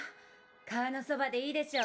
川のそばでいいでしょ。